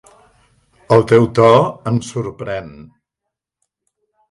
El teu to em sorprèn.